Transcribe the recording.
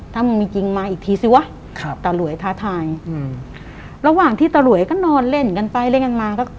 ถ้ามันไม่จริงมาอีกทีซิวะตะหลวยท้าทายระหว่างที่ตะหลวยก็นอนเล่นกันไปเล่นกันมา